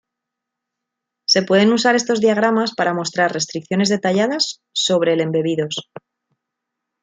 Se pueden usar estos diagramas para mostrar restricciones detalladas sobre el embebidos.